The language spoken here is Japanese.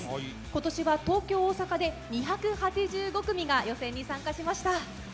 今年は東京、大阪で２８５組が予選に参加しました。